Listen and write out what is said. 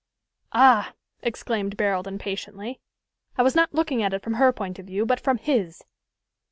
"Ah!" exclaimed Barold impatiently: "I was not looking at it from her point of view, but from his."